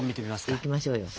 いきましょうよ。